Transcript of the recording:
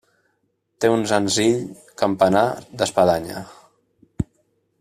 Té un senzill campanar d'espadanya.